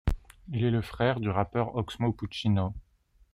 Il est le frère du rappeur Oxmo Puccino.